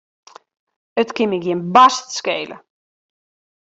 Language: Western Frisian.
It kin my gjin barst skele.